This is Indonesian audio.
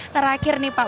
terakhir nih pak